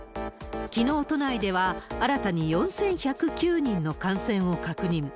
きのう、都内では新たに４１０９人の感染を確認。